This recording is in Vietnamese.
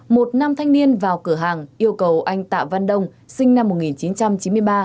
một nam thanh niên vào cửa hàng yêu cầu anh tạ văn đông sinh năm một nghìn chín trăm chín mươi ba